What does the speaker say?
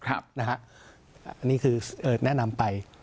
อันนี้คือแนะนำไป